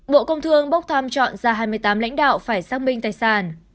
bộ công thương bốc thăm chọn ra hai mươi tám lãnh đạo phải xác minh tài sản